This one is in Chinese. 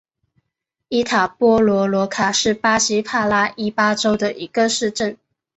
伊塔波罗罗卡是巴西帕拉伊巴州的一个市镇。